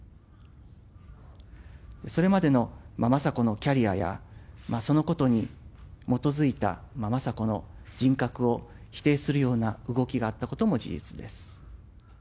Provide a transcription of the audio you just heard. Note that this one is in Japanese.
それまでの雅子のキャリアや、そのことに基づいた雅子の人格を否定するような動きがあったことも事実です。